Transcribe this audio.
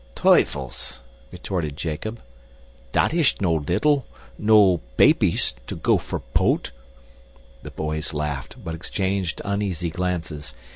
"Tuyfels!" retorted Jacob. "Dat ish no little no papies to go for poat!" The boys laughed but exchanged uneasy glances.